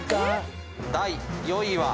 第４位は。